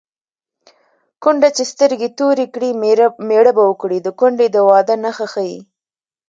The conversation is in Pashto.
کونډه چې سترګې تورې کړي مېړه به وکړي د کونډې د واده نښه ښيي